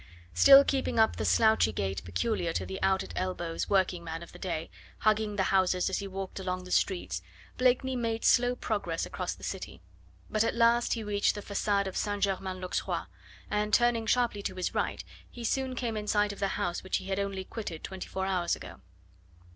Still keeping up the slouchy gait peculiar to the out at elbows working man of the day, hugging the houses as he walked along the streets, Blakeney made slow progress across the city. But at last he reached the facade of St. Germain l'Auxerrois, and turning sharply to his right he soon came in sight of the house which he had only quitted twenty four hours ago.